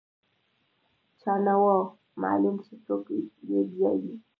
چا نه و معلوم چې څوک یې بیايي.